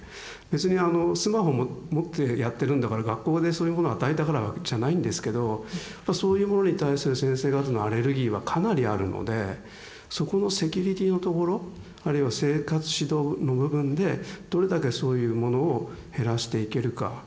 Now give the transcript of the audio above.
別にスマホも持ってやってるんだから学校でそういうものを与えたからじゃないんですけどそういうものに対する先生方のアレルギーはかなりあるのでそこのセキュリティーのところあるいは生活指導の部分でどれだけそういうものを減らしていけるか。